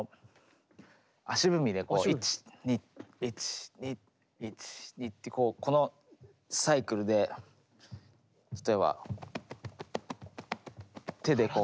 足踏みでこう１・２・１・２・１・２ってこのサイクルで例えば手でこう。